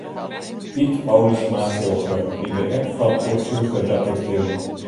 Piet Paulusma silger wie der ek fan oertsjûge dat it kin.